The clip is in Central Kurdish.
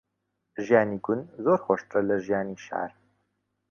ژیانی گوند زۆر خۆشترە لە ژیانی شار.